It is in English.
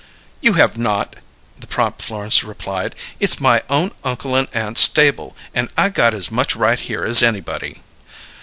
"You have not," the prompt Florence replied. "It's my own uncle and aunt's stable, and I got as much right here as anybody."